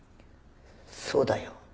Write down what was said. そうだよ。